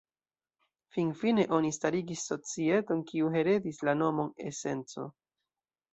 Fin-fine oni starigis Societon kiu heredis la nomon E-Senco.